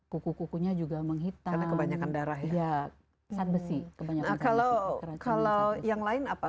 kuku kukunya juga menghitan kebanyakan darah ya sat besi kebanyakan kalau kalau yang lain apa